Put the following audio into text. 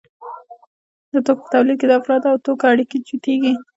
د توکو په تولید کې د افرادو او توکو اړیکې جوتېږي